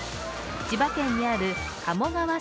千葉県にある鴨川